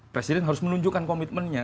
presiden harus menunjukkan komitmennya